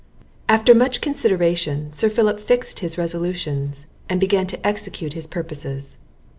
After much consideration, Sir Philip fixed his resolutions, and began to execute his purposes.